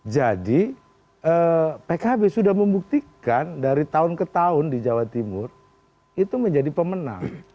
jadi pkb sudah membuktikan dari tahun ke tahun di jawa timur itu menjadi pemenang